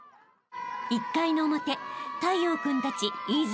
［１回の表太陽君たち飯塚